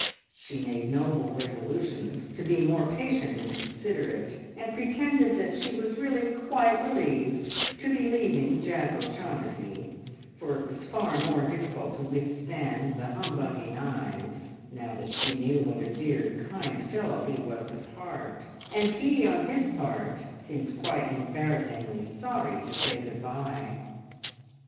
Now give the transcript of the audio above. She made noble resolutions to be more patient and considerate, and pretended that she was really quite relieved to be leaving Jack O'Shaughnessy, for it was far more difficult to withstand the humbugging eyes now that she knew what a dear kind fellow he was at heart, and he on his part seemed quite embarrassingly sorry to say good bye!